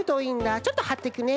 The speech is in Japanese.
ちょっとはっていくね。